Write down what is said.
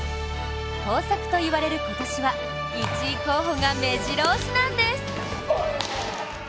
豊作と言われる今年は１位候補がめじろ押しなんです。